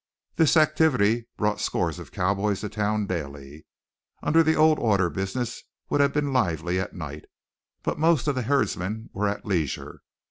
This activity brought scores of cowboys to town daily. Under the old order business would have been lively at night, when most of the herdsmen were at leisure.